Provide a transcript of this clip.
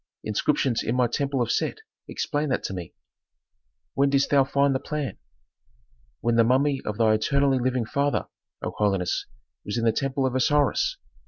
"Inscriptions in my temple of Set explained that to me." "When didst thou find the plan?" "When the mummy of thy eternally living father, O holiness, was in the temple of Osiris.